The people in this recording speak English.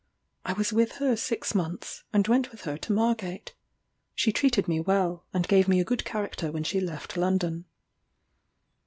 I was with her six months, and went with her to Margate. She treated me well, and gave me a good character when she left London.